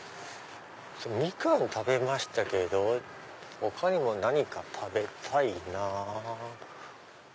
みかん食べましたけど他にも何か食べたいなぁ。